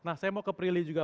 nah saya mau ke prilly juga